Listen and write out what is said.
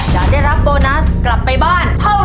จะได้รับโบนัสกลับไปบ้านเท่าไ